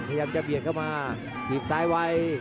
พยายามจะเบียดเข้ามาถีบซ้ายไว้